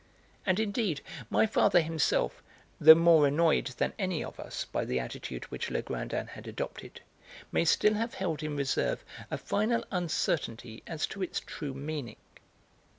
And indeed my father himself, though more annoyed than any of us by the attitude which Legrandin had adopted, may still have held in reserve a final uncertainty as to its true meaning.